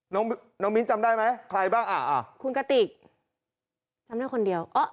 น้องน้องมิ้นจำได้ไหมใครบ้างอ่ะคุณกติกจำได้คนเดียวอ๋อ